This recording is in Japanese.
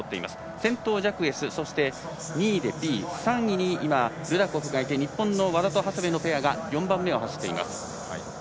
先頭はジャクエスで、２位がビイ３位にルダコフがいて日本の和田と長谷部のペアが４番目を走っています。